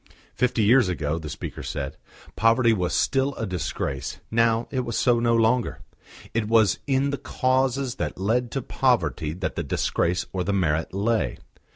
Fifty years ago, the speaker said, poverty was still a disgrace, now it was so no longer. It was in the causes that led to poverty that the disgrace or the merit lay.